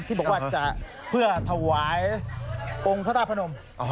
ที่บอกว่าจะเพื่อถวายองค์พระธาตุพนม